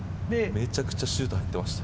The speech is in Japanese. めちゃくちゃシュート入ってました。